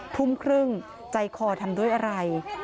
ทุ่มครึ่งใจคอทำด้วยอะไร